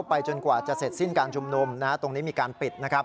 จนกว่าจะเสร็จสิ้นการชุมนุมตรงนี้มีการปิดนะครับ